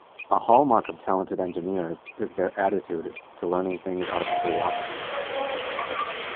A hallmark of talented engineers is their attitude to learning things out of curiosity.